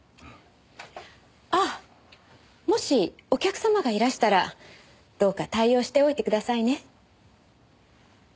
あっもしお客様がいらしたらどうか対応しておいてくださいね。